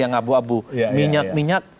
yang abu abu minyak minyak